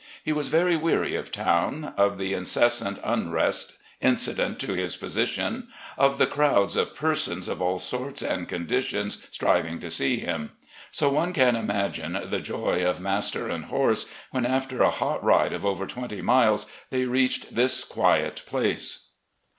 He was very weary of town, of the incessant unrest incident to his position, of the crowds of persons of all sorts and con ditions striving to see him; so one can imagine the joy of master and horse when, after a hot ride of over twenty miles, they reached this quiet resting place.